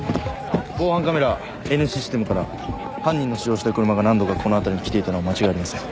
防犯カメラＮシステムから犯人の使用した車が何度かこの辺りに来ていたのは間違いありません。